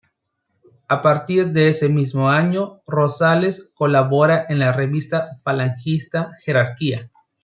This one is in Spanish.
A partir de ese mismo año Rosales colabora en la revista falangista "Jerarquía".